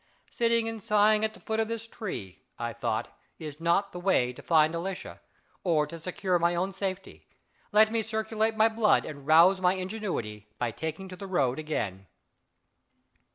"Sitting and sighing at the foot of this tree," I thought, "is not the way to find Alicia, or to secure my own safety. Let me circulate my blood and rouse my ingenuity, by taking to the road again."